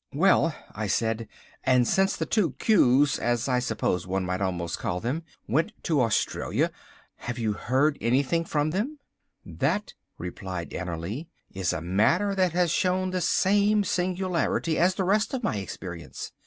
"Well," I said, "and since the two Q's, as I suppose one might almost call them, went to Australia, have you heard anything from them?" "That," replied Annerly, "is a matter that has shown the same singularity as the rest of my experience.